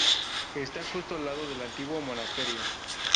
Esta justo al lado de un antiguo monasterio.